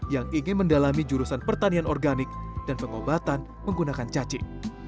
yang ingin mendalami jurusan pertanian organik dan pengobatan menggunakan cacing